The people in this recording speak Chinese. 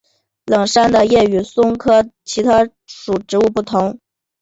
冷杉的叶与松科其他属植物不同。